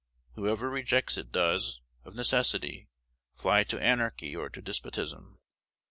Whoever rejects it does, of necessity, fly to anarchy or to despotism.